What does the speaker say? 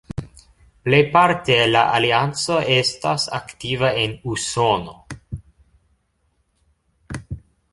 Plejparte la Alianco estas aktiva en Usono.